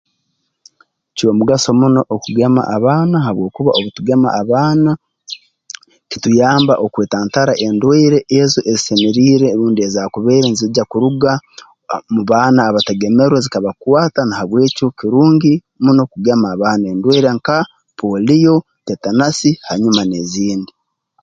Kyomugaso muno okugema abaana habwokuba obu tugema abaana kituyamba okwetantara endwaire ezo ezisemeriire rundi ezaakubaire nzigya kuruga ah mu baana abatagemerwe zikabakwata na habw'ekyo kirungi muno kugema abaana endwaire nka pooliyo tetenasi hanyuma n'ezindi